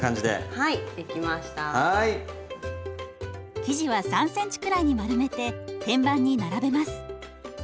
生地は３ｃｍくらいに丸めて天板に並べます。